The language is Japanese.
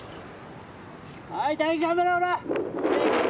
はい大輝頑張れほら！